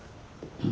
うん。